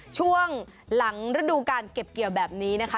ช่วงหลังฤดูการเก็บเกี่ยวแบบนี้นะคะ